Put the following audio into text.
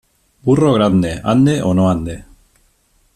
Burro grande, ande o no ande.